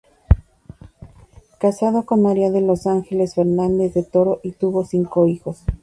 Su discípulo más conocido fue Meir de Rothenburg.